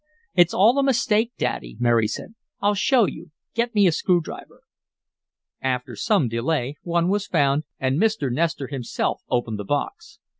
"It's all a mistake, Daddy," Mary said. "I'll show you. Get me a screw driver." After some delay one was found, and Mr. Nestor himself opened the box.